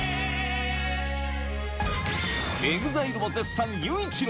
ＥＸＩＬＥも絶賛！